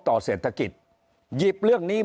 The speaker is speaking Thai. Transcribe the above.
ต่อเศรษฐกิจหยิบเรื่องนี้